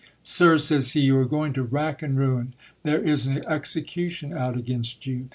Sir, says he, you are going to rack and ruin ; there is an execution out against you.